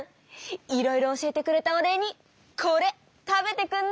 いろいろ教えてくれたお礼にこれ食べてくんな！